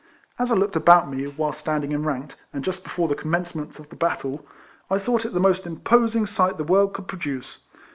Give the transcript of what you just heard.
As 1 looked about me, whilst standing enranked, and just before the commencement of the battle, I thought it the most imposing sight the world could produce.